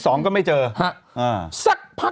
ดื่มน้ำก่อนสักนิดใช่ไหมคะคุณพี่